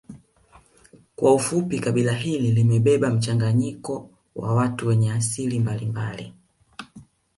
Kwa ufupi kabila hili limebeba mchanganyiko wa watu wenye asili mbalimbali